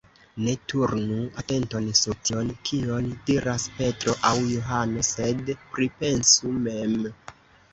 Ne turnu atenton sur tion, kion diras Petro aŭ Johano, sed pripensu mem.